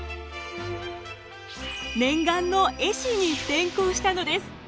念願の絵師に転向したのです。